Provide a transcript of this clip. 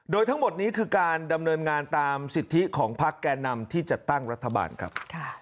โดยทั้งหมดนี้คือการดำเนินงานตามสิทธิของพักแก่นำที่จะตั้งรัฐบาลครับ